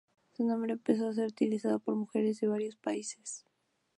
El nombre empezó a ser utilizado por mujeres de varios países.